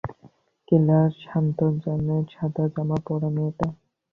Claire, Santos জানে, সাদা জামা পরা মেয়েটা।